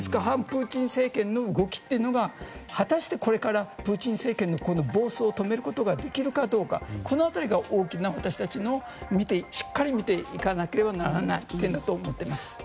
反プーチン政権の動きというのが果たしてこれからプーチン政権の暴走を止めることができるかどうかこの辺りが大きな私たちのしっかり見ていかなければならない点だと思っています。